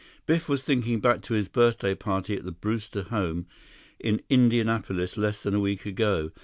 Biff was thinking back to his birthday party at the Brewster home in Indianapolis less than a week ago.